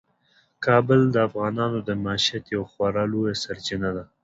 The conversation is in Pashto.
کابل د افغانانو د معیشت یوه خورا لویه سرچینه ده.